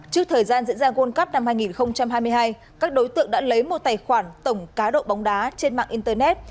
trước thời gian diễn ra world cup năm hai nghìn hai mươi hai các đối tượng đã lấy một tài khoản tổng cá độ bóng đá trên mạng internet